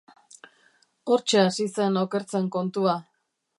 Hortxe hasi zen okertzen kontua.